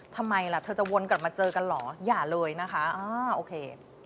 ทำไมล่ะเธอจะวนกลับมาเจอกันเหรออย่าเลยนะคะอ่าโอเค